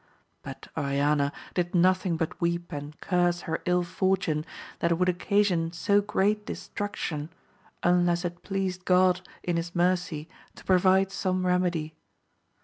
But Oriana did nothing but weep and curse her ill fortune that would occasion so great destruction, un less it pleased God in his mercy to provide some remedy.